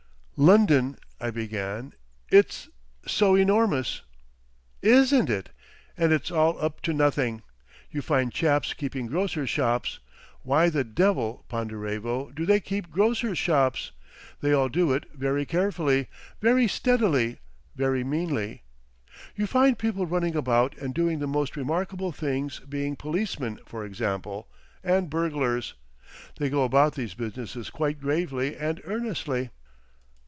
"London," I began. "It's—so enormous!" "Isn't it! And it's all up to nothing. You find chaps keeping grocers' shops—why the devil, Ponderevo, do they keep grocers' shops? They all do it very carefully, very steadily, very meanly. You find people running about and doing the most remarkable things being policemen, for example, and burglars. They go about these businesses quite gravely and earnestly.